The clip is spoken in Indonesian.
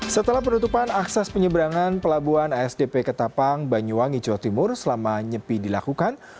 setelah penutupan akses penyeberangan pelabuhan asdp ketapang banyuwangi jawa timur selama nyepi dilakukan